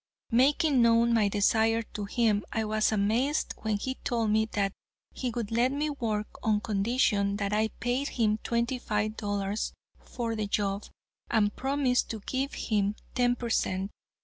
Making known my desire to him, I was amazed when he told me that he would let me work on condition that I paid him twenty five dollars for the job and promised to give him ten per cent.